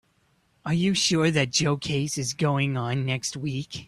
Are you sure that Joe case is going on next week?